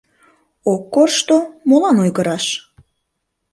Ок коршто, молан ойгыраш?..